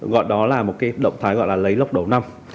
gọi đó là một động thái gọi là lấy lốc đầu năm